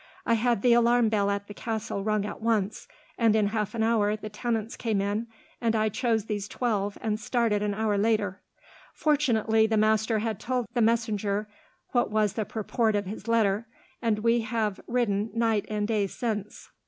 I had the alarm bell at the castle rung at once, and in half an hour the tenants came in, and I chose these twelve, and started an hour later. Fortunately, the master had told the messenger what was the purport of his letter, and we have ridden night and day since.